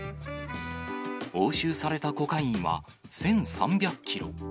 押収されたコカインは１３００キロ。